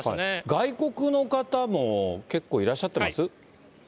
外国の方も結構いらっしゃってます？